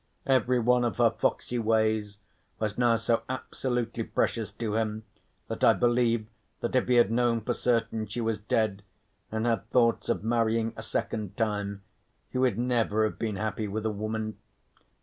Every one of her foxey ways was now so absolutely precious to him that I believe that if he had known for certain she was dead, and had thoughts of marrying a second time, he would never have been happy with a woman.